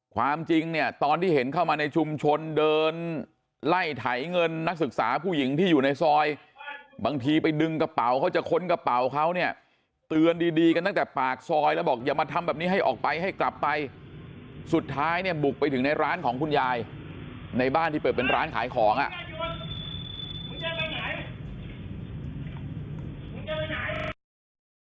ความจริงเนี่ยตอนที่เห็นเข้ามาในชุมชนเดินไล่ไถเงินนักศึกษาผู้หญิงที่อยู่ในซอยบางทีไปดึงกระเป๋าเขาจะค้นกระเป๋าเขาเนี่ยเตือนดีดีกันตั้งแต่ปากซอยแล้วบอกอย่ามาทำแบบนี้ให้ออกไปให้กลับไปสุดท้ายเนี่ยบุกไปถึงในร้านของคุณยายในบ้านที่เปิดเป็นร้านขายของอ่ะ